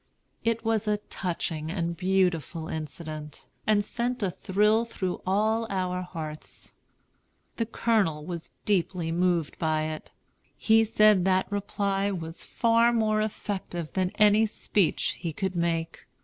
It was a touching and beautiful incident, and sent a thrill through all our hearts. The Colonel was deeply moved by it. He said that reply was far more effective than any speech he could make.